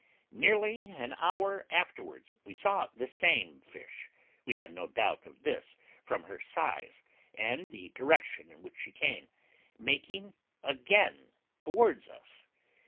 Nearly an hour afterwards, we saw the same fish we had no doubt of this, from her size, and the direction in which she came making again towards us.